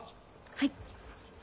はい！